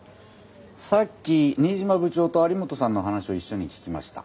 さっき新島部長と有本さんの話を一緒に聞きました。